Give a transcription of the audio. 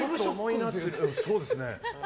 そうですね。